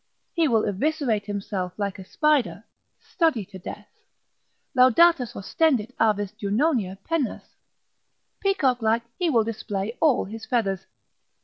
he will eviscerate himself like a spider, study to death, Laudatas ostendit avis Junonia pennas, peacock like he will display all his feathers.